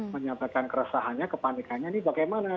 menyampaikan keresahannya kepanikannya ini bagaimana